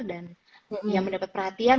dan yang mendapat perhatian